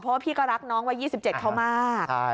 เพราะว่าพี่ก็รักน้องวัย๒๗เขามาก